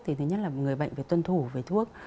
thì thứ nhất là người bệnh phải tuân thủ về thuốc